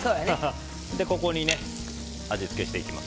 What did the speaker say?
ここに味付けしていきます。